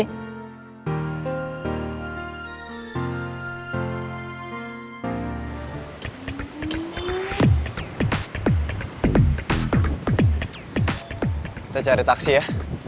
kita cari taksi ya